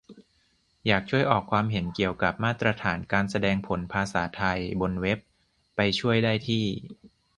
อยากช่วยออกความเห็นเกี่ยวกับมาตรฐานการแสดงผลภาษาไทยบนเว็บ ไปช่วยได้ที่